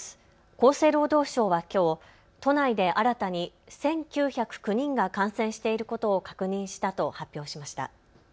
厚生労働省はきょう都内で新たに１９０９人が感染していることを確認したと発表しました。